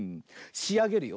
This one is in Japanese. しあげるよ。